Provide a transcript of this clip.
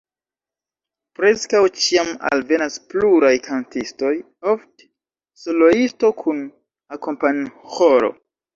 Preskaŭ ĉiam alvenas pluraj kantistoj, ofte soloisto kun akompanĥoro.